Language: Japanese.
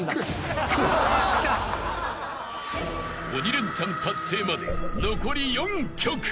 ［鬼レンチャン達成まで残り４曲］